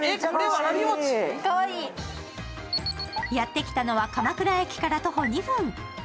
やってきたのは鎌倉駅から徒歩２分。